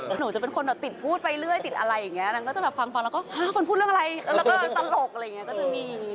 แต่หนูจะเป็นคนแบบติดพูดไปเรื่อยติดอะไรอย่างนี้นางก็จะแบบฟังแล้วก็คนพูดเรื่องอะไรแล้วก็ตลกอะไรอย่างนี้ก็จะมี